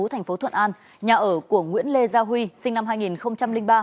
thành phố thuận an nhà ở của nguyễn lê gia huy sinh năm hai nghìn ba